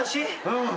うん。